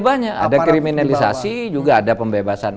banyak ada kriminalisasi juga ada pembebasan